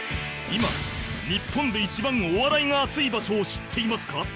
今日本で一番お笑いが熱い場所を知っていますか？